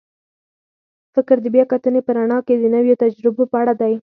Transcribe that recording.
فکر د بیا کتنې په رڼا کې د نویو تجربو په اړه دی.